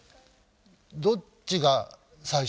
どっちが最初なの？